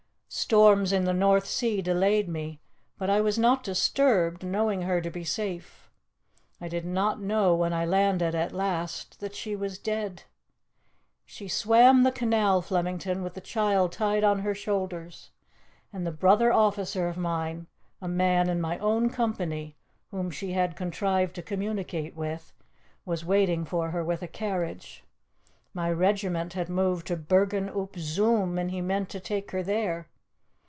Storms in the North Sea delayed me, but I was not disturbed, knowing her to be safe. I did not know when I landed at last that she was dead. ... She swam the canal, Flemington, with the child tied on her shoulders, and the brother officer of mine a man in my own company, whom she had contrived to communicate with was waiting for her with a carriage. My regiment had moved to Bergen op Zoom, and he meant to take her there.